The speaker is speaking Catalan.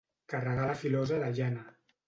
Carregar la filosa de llana.